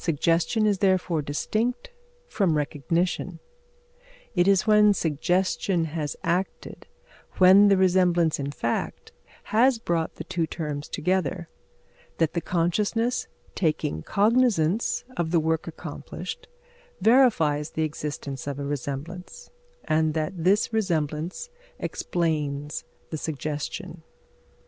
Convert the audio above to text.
Suggestion is therefore distinct from recognition; it is when suggestion has acted, when the resemblance in fact has brought the two terms together, that the consciousness, taking cognisance of the work accomplished, verifies the existence of a resemblance, and that this resemblance explains the suggestion.